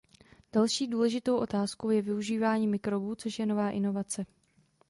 Další důležitou otázkou je využívání mikrobů, což je nová inovace.